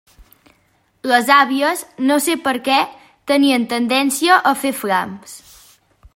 Les àvies, no sé per què, tenien tendència a fer flams.